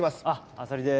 浅利です。